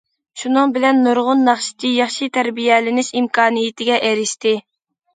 شۇنىڭ بىلەن نۇرغۇن ناخشىچى ياخشى تەربىيەلىنىش ئىمكانىيىتىگە ئېرىشتى.